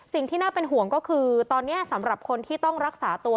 สิ่งที่น่าเป็นห่วงก็คือตอนนี้สำหรับคนที่ต้องรักษาตัว